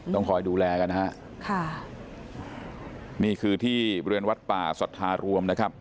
ต้องคอยดูแลกันนะฮะค่ะนี่คือที่บริเวณวัดป่าสัทธารวมนะครับ